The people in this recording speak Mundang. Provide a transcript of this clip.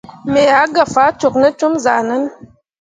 Me ah gah faa cok ne com zahʼnanne.